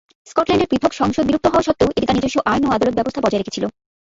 স্কটল্যান্ডের পৃথক সংসদ বিলুপ্ত হওয়া সত্ত্বেও, এটি তার নিজস্ব আইন ও আদালত ব্যবস্থা বজায় রেখেছিল।